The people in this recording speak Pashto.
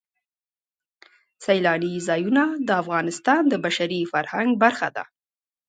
سیلانی ځایونه د افغانستان د بشري فرهنګ برخه ده.